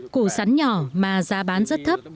củ sắn nhỏ mà giá bán rất thấp